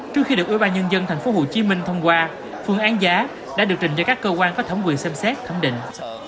trước khi được ubnd thành phố hồ chí minh thông qua phương án giá đã được trình cho các cơ quan phát thẩm quyền xem xét thẩm định